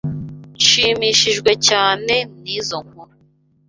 Nshimishijwe cyane nizo nkuru.